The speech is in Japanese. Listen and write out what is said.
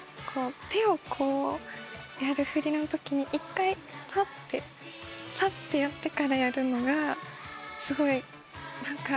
手をこうやる振りの時に１回パッてパッてやってからやるのがすごい何か。